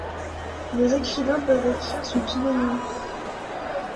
Les écrivains peuvent écrire sous pseudonyme.